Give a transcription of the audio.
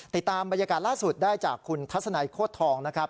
ติดตามบรรยากาศล่าสุดได้จากคุณทัศนัยโคตรทองนะครับ